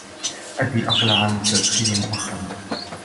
أبي اقلع عن التدخين مؤخرا